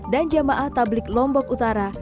dan jamaah tablik lombok utara